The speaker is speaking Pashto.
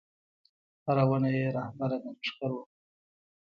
هره ونه یې رهبره د لښکر وه